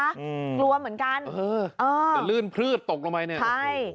อืมกลัวเหมือนกันเออเออแต่ลื่นพลืดตกลงไปเนี้ยใช่